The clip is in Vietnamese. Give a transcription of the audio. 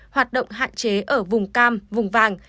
hoạt động hạn chế ở vùng cam vùng vàng